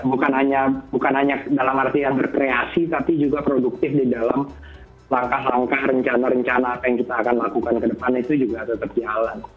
bukan hanya dalam artian berkreasi tapi juga produktif di dalam langkah langkah rencana rencana apa yang kita akan lakukan ke depan itu juga tetap jalan